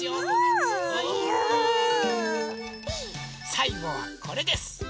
さいごはこれです。